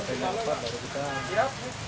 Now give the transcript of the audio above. apanya lupa baru kita